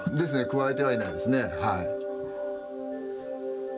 加えてはいないですねはい。